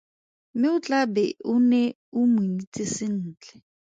Mme o tla be o nne o mo itse sentle.